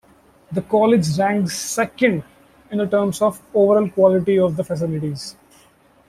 The college ranked second in terms of overall quality of the facilities.